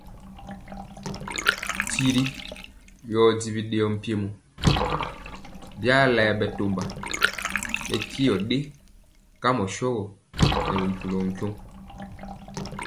Tiri yɔ di bidɛɛɔ mpiemo biela bɛtɔmba bɛ tyenɛ kamɔ shɔgɔ nɛ bi mpulɔ tyɔŋ.